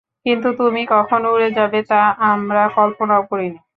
কিন্তু তুমি কখন উড়ে যাবে তা আমরা কল্পনাও করিনি।